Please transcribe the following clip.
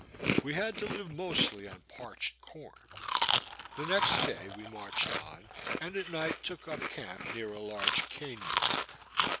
We had to live mostly on parched corn. The next day we marched on, and at night took up camp near a large cane brake.